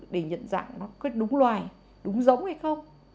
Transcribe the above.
để nhận dạng nó có đúng loài đúng giống hay không